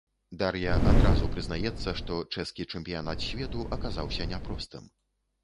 Дар'я адразу прызнаецца, што чэшскі чэмпіянат свету аказаўся няпростым.